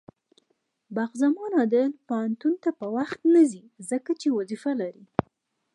بخت زمان عادل پوهنتون ته په وخت نځي، ځکه چې وظيفه لري.